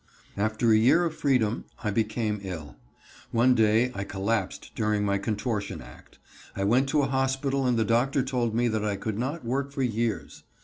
After a year of freedom I became ill. One day I collapsed during my contortion act. I went to a hospital and the doctor told me that I could not work for years.